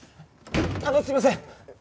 あのすいません！